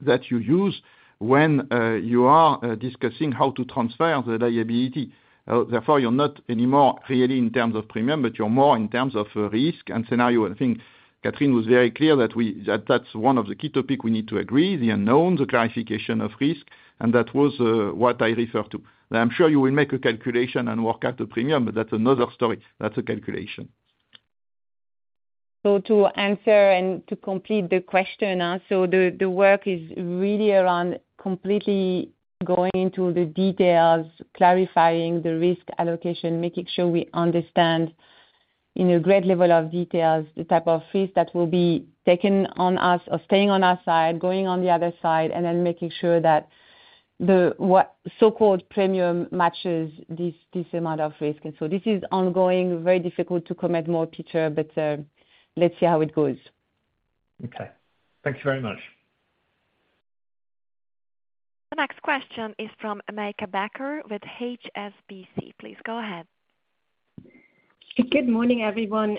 S4: that you use when you are discussing how to transfer the liability. Therefore, you're not anymore really in terms of premium, but you're more in terms of risk and scenario. I think Catherine was very clear that that's one of the key topic we need to agree, the unknown, the clarification of risk, and that was what I refer to. I'm sure you will make a calculation and work out the premium, but that's another story. That's a calculation.
S3: To answer and to complete the question, so the work is really around completely going into the details, clarifying the risk allocation, making sure we understand in a great level of details the type of fees that will be taken on us or staying on our side, going on the other side, and then making sure that the, what so-called premium matches this amount of risk. This is ongoing, very difficult to commit more, Peter, but, let's see how it goes.
S9: Okay. Thanks very much.
S1: The next question is from Meike Becker with HSBC. Please go ahead.
S10: Good morning, everyone,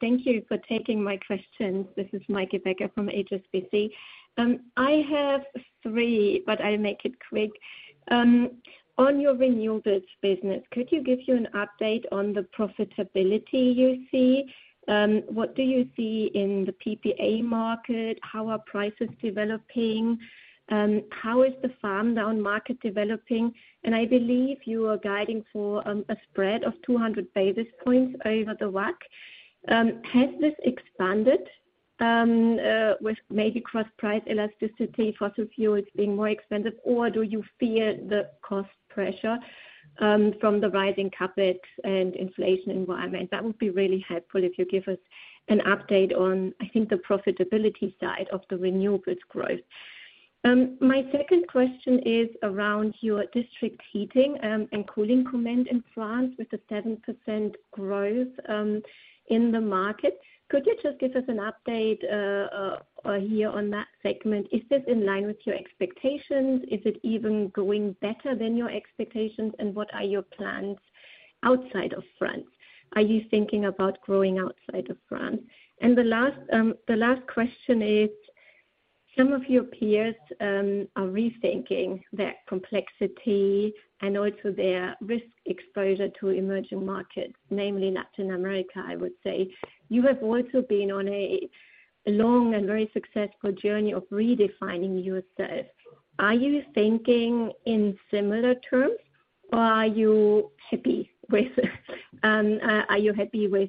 S10: thank you for taking my questions. This is Meike Becker from HSBC. I have three, I'll make it quick. On your renewables business, could you give you an update on the profitability you see? What do you see in the PPA market? How are prices developing? How is the farm down market developing? I believe you are guiding for a spread of 200 basis points over the WACC. Has this expanded with maybe cross-price elasticity, fossil fuels being more expensive, or do you fear the cost pressure from the rising CapEx and inflation environment? That would be really helpful if you give us an update on, I think, the profitability side of the renewables growth. My second question is around your district heating and cooling comment in France with the 7% growth in the market. Could you just give us an update here on that segment? Is this in line with your expectations? Is it even going better than your expectations? What are your plans outside of France? Are you thinking about growing outside of France? The last question is some of your peers are rethinking their complexity and also their risk exposure to emerging markets, namely Latin America, I would say. You have also been on a long and very successful journey of redefining yourself. Are you thinking in similar terms, or are you happy with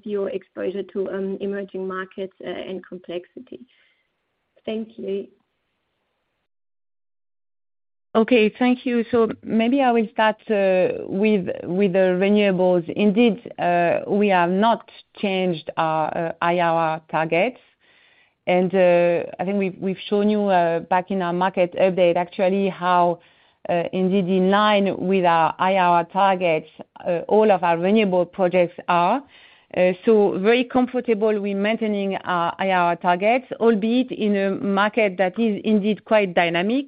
S10: your exposure to emerging markets and complexity? Thank you.
S3: Okay, thank you. Maybe I will start with the renewables. Indeed, we have not changed our IRR targets. I think we've shown you back in our market update actually how indeed in line with our IRR targets, all of our renewable projects are so very comfortable with maintaining our IRR targets, albeit in a market that is indeed quite dynamic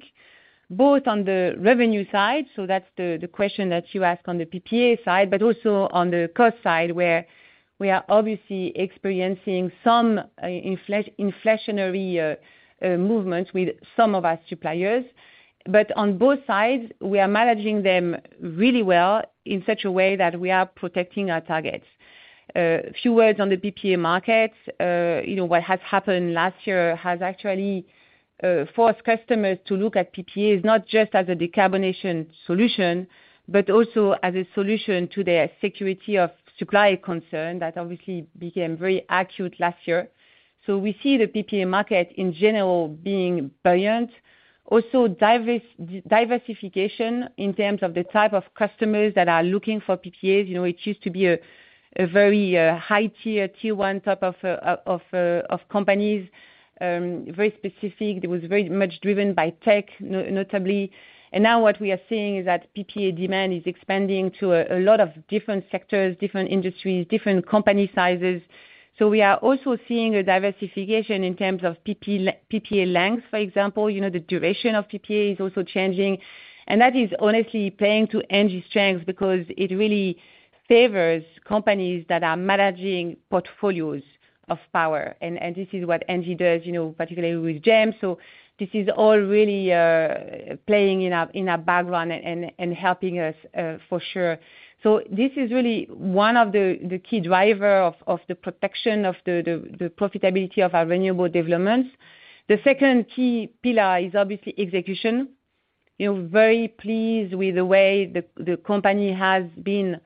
S3: both on the revenue side, so that's the question that you asked on the PPA side, but also on the cost side, where we are obviously experiencing some inflationary movements with some of our suppliers. On both sides, we are managing them really well in such a way that we are protecting our targets. Few words on the PPA market. You know, what has happened last year has actually forced customers to look at PPAs, not just as a decarbonation solution, but also as a solution to their security of supply concern that obviously became very acute last year. We see the PPA market in general being buoyant. Also diversification in terms of the type of customers that are looking for PPAs. You know, it used to be a very high tier one type of companies, very specific. It was very much driven by tech, notably. Now what we are seeing is that PPA demand is expanding to a lot of different sectors, different industries, different company sizes. We are also seeing a diversification in terms of PPA length, for example, you know, the duration of PPA is also changing. That is honestly playing to Engie's strengths because it really favors companies that are managing portfolios of power, and this is what Engie does, you know, particularly with GEM. This is all really playing in a background and helping us for sure. This is really one of the key driver of the protection of the profitability of our renewable developments. The second key pillar is obviously execution. You know, very pleased with the way the company has been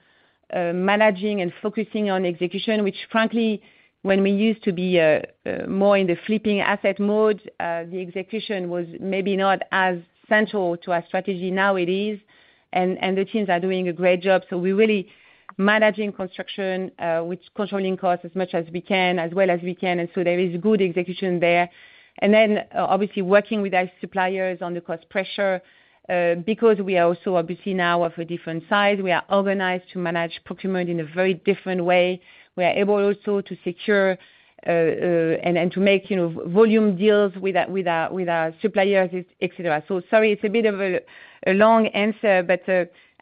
S3: managing and focusing on execution, which frankly, when we used to be more in the flipping asset mode, the execution was maybe not as central to our strategy. Now it is, and the teams are doing a great job. We're really managing construction with controlling costs as much as we can, as well as we can. There is good execution there. Then obviously working with our suppliers on the cost pressure because we are also obviously now of a different size. We are organized to manage procurement in a very different way. We are able also to secure and to make, you know, volume deals with our suppliers, et cetera. Sorry, it's a bit of a long answer, but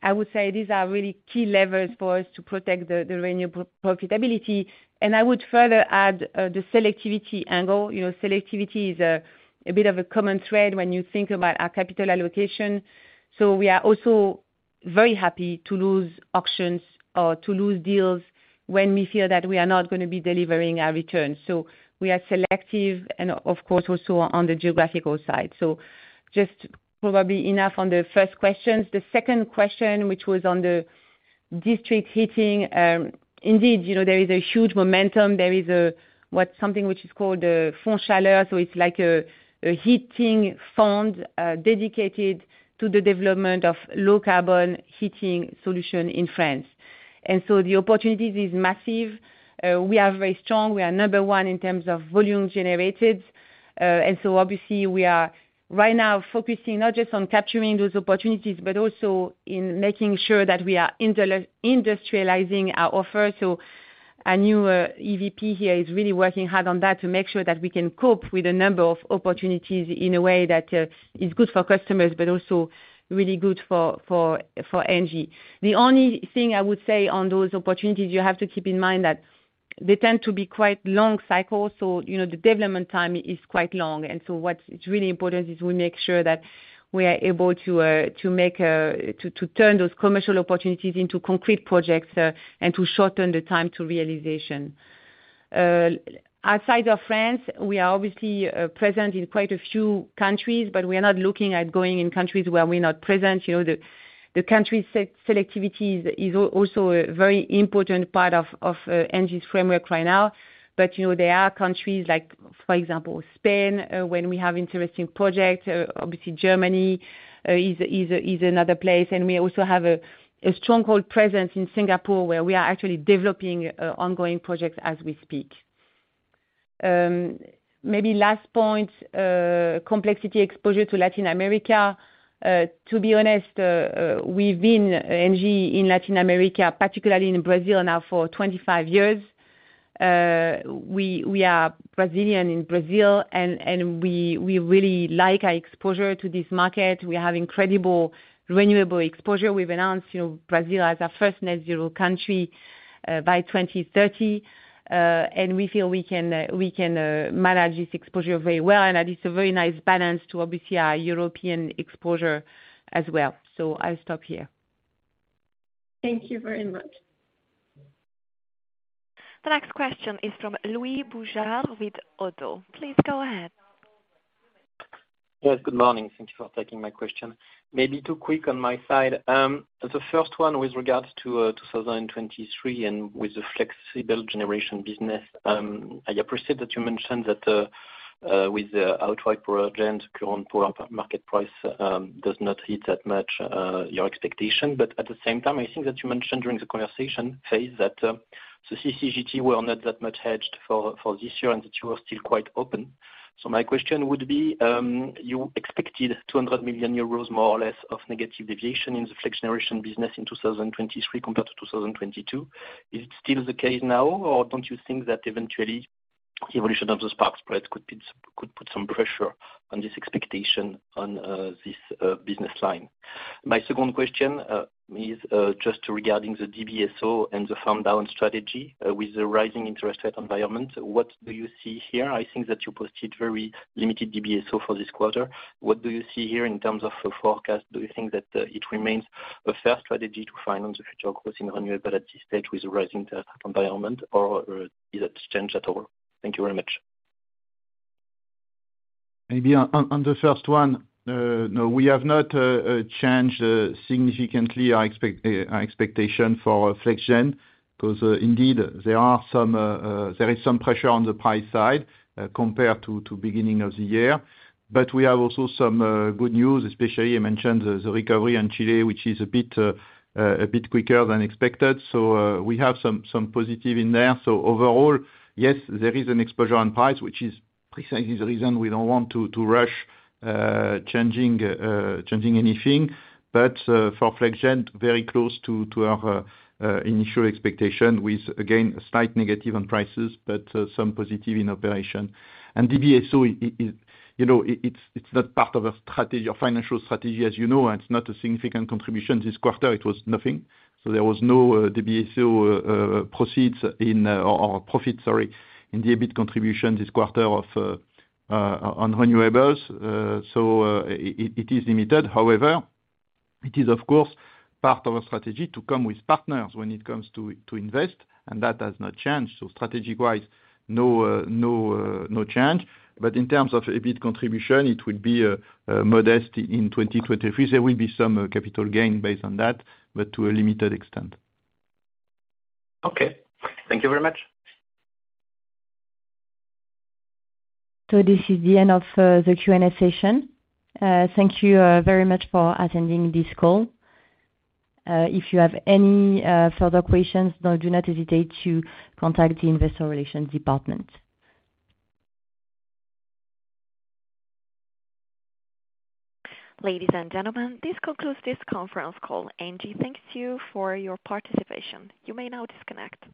S3: I would say these are really key levers for us to protect the renewable profitability. I would further add the selectivity angle. You know, selectivity is a bit of a common thread when you think about our capital allocation. We are also very happy to lose auctions or to lose deals when we feel that we are not gonna be delivering our returns. We are selective and of course also on the geographical side. Just probably enough on the first questions. The second question, which was on the district heating, indeed, you know, there is a huge momentum. There is a, what something which is called, Fonds Chaleur. It's like a heating fund, dedicated to the development of low carbon heating solution in France. The opportunities is massive. We are very strong. We are number one in terms of volume generated. Obviously we are right now focusing not just on capturing those opportunities, but also in making sure that we are industrializing our offer. A new EVP here is really working hard on that to make sure that we can cope with a number of opportunities in a way that is good for customers, but also really good for ENGIE. The only thing I would say on those opportunities, you have to keep in mind that they tend to be quite long cycles, so, you know, the development time is quite long. What's really important is we make sure that we are able to turn those commercial opportunities into concrete projects and to shorten the time to realization. Outside of France, we are obviously present in quite a few countries, but we are not looking at going in countries where we are not present. You know, the country selectivity is also a very important part of ENGIE's framework right now. You know, there are countries like, for example, Spain, when we have interesting projects, obviously Germany is another place. We also have a stronghold presence in Singapore, where we are actually developing ongoing projects as we speak. Maybe last point, complexity exposure to Latin America. To be honest, we've been ENGIE in Latin America, particularly in Brazil now for 25 years. We are Brazilian in Brazil, and we really like our exposure to this market. We have incredible renewable exposure. We've announced, you know, Brazil as our first net zero country by 2030. We feel we can manage this exposure very well and that it's a very nice balance to obviously our European exposure as well. I'll stop here.
S10: Thank you very much.
S1: The next question is from Louis Boujard with ODDO. Please go ahead.
S11: Yes, good morning. Thank you for taking my question. Maybe two quick on my side. The first one with regards to 2023 and with the Flexible Generation business. I appreciate that you mentioned that with the outright project current market price does not hit that much your expectation. At the same time, I think that you mentioned during the conversation phase that CCGT were not that much hedged for this year, and the two are still quite open. My question would be, you expected 200 million euros more or less of negative deviation in the Flexible Generation business in 2023 compared to 2022. Is it still the case now, or don't you think that eventually evolution of the spark spread could be, could put some pressure on this expectation on this business line? My second question is just regarding the DBSO and the farm down strategy with the rising interest rate environment. What do you see here? I think that you posted very limited DBSO for this quarter. What do you see here in terms of a forecast? Do you think that it remains a fair strategy to finance the future growth in renewable at this stage with rising interest environment, or is it changed at all? Thank you very much.
S4: Maybe on the first one, no, we have not changed significantly our expectation for FlexGen because indeed there is some pressure on the price side compared to beginning of the year. We have also some good news especially I mentioned the recovery in Chile which is a bit quicker than expected. We have some positive in there. Overall, yes, there is an exposure on price which is precisely the reason we don't want to rush changing anything. For FlexGen, very close to our initial expectation with again, a slight negative on prices but some positive in operation. DBSO is, you know, it's not part of a strategy or financial strategy as you know, and it's not a significant contribution. This quarter it was nothing, so there was no DBSO proceeds in or profit, sorry, in the EBIT contribution this quarter on renewables. It is limited. However, it is of course part of a strategy to come with partners when it comes to invest, and that has not changed. Strategy wise, no, no change. But in terms of EBIT contribution, it would be modest in 2023. There will be some capital gain based on that, but to a limited extent.
S11: Okay. Thank you very much.
S2: This is the end of the Q&A session. Thank you very much for attending this call. If you have any further questions, now do not hesitate to contact the investor relations department.
S1: Ladies and gentlemen, this concludes this conference call. ENGIE, thanks to you for your participation. You may now disconnect.